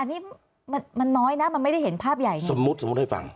อันนี้มันน้อยนะมันไม่ได้เห็นภาพใหญ่ใช่ไหมสมมุติสมมุติให้ฟัง